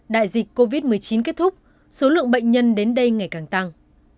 đại dịch covid một mươi chín kết thúc số lượng bệnh nhân đến đây ngày càng tăng